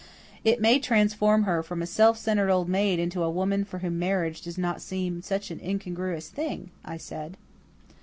"It may transform her from a self centered old maid into a woman for whom marriage does not seem such an incongruous thing," I said.